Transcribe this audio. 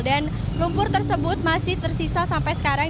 dan lumpur tersebut masih tersisa sampai sekarang